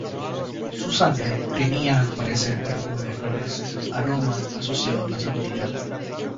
Su sangre tenía al parecer perfume de flores, aroma asociado a la santidad.